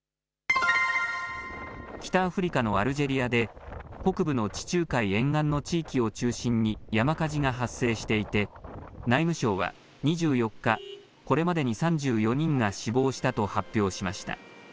北アフリカのアルジェリアで北部の地中海沿岸の地域を中心に山火事が発生していて内務省は２４日、これまでに３４人が死亡したと発表しました。